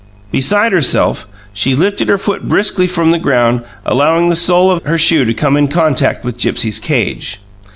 Beside herself, she lifted her right foot briskly from the ground, and allowed the sole of her shoe to come in contact with Gipsy's cage.